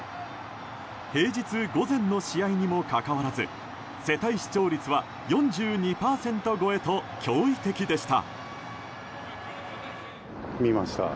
平日午前の試合にもかかわらず世帯視聴率は４２％超えと驚異的でした。